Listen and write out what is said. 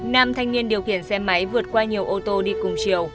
nam thanh niên điều khiển xe máy vượt qua nhiều ô tô đi cùng chiều